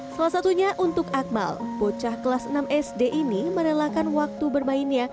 salah satunya untuk akmal bocah kelas enam sd ini merelakan waktu bermainnya